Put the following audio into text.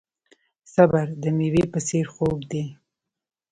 صبر د میوې په څیر خوږ دی.